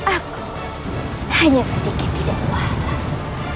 aku hanya sedikit tidak panas